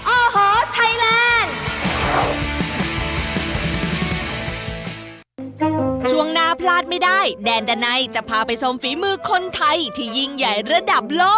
โอ้โหไทยแลนด์